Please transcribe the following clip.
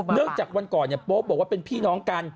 จากวันก่อนโป๊ปบอกว่าเป็นพี่น้องกัน